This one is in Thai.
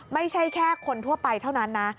ไม่ใช่แค่คนทั่วไปเท่านั้นนะ